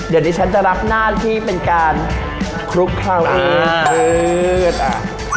เดี๋ยวนี้ฉันจะรับหน้าที่เป็นการคลุกข้าวอืดอืดอ่ะ